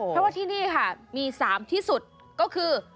เพราะว่าที่นี่ค่ะมี๓ที่สุดก็คือ